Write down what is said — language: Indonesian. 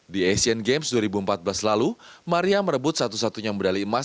di asian games dua ribu empat belas lalu maria merebut satu satunya medali emas